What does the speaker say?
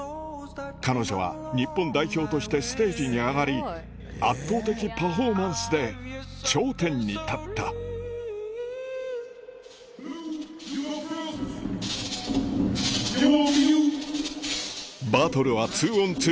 彼女は日本代表としてステージに上がり圧倒的パフォーマンスで頂点に立った即興？